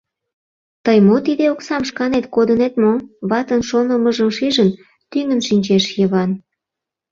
— Тый мо, тиде оксам шканет кодынет мо? — ватын шонымыжым шижын, тӱҥын шинчеш Йыван.